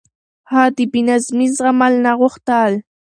هغه د بې نظمي زغمل نه غوښتل.